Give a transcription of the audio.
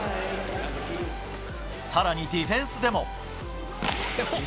さらにディフェンスでも。